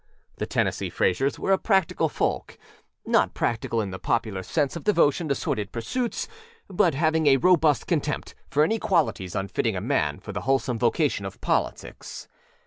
The Tennessee Fraysers were a practical folkânot practical in the popular sense of devotion to sordid pursuits, but having a robust contempt for any qualities unfitting a man for the wholesome vocation of politics.